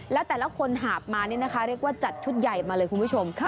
แล้วแต่ละคนหาบมานี่นะคะเรียกว่าจัดชุดใหญ่มาเลยคุณผู้ชม